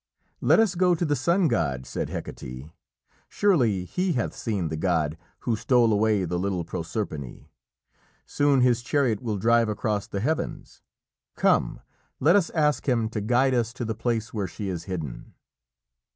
"Let us go to the Sun God," said Hecate. "Surely he hath seen the god who stole away the little Proserpine. Soon his chariot will drive across the heavens. Come, let us ask him to guide us to the place where she is hidden."